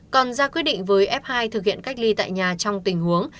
còn ra quyết định với f hai thực hiện cách ly tại nhà trong tình huống